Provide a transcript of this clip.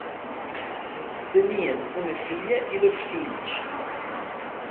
Tenien una filla i dos fills.